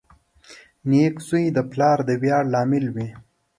• نېک زوی د پلار د ویاړ لامل وي.